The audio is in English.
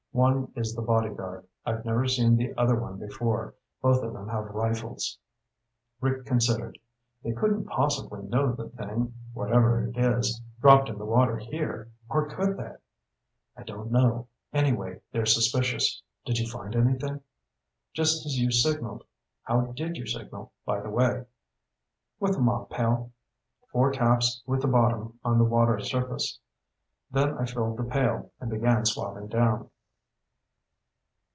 One is the bodyguard. I've never seen the other one before. Both of them have rifles." Rick considered. "They couldn't possibly know the thing whatever it is dropped in the water here. Or could they?" "I don't know. Anyway, they're suspicious. Did you find anything?" "Just as you signaled. How did you signal, by the way?" "With the mop pail. Four taps with the bottom on the water surface. Then I filled the pail and began swabbing down."